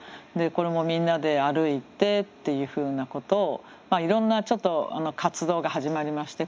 これもみんなで歩いてっていうふうなことをいろんなちょっと活動が始まりまして。